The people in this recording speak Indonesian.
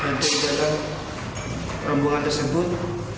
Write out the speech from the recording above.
dan dari dalam rombongan tersebut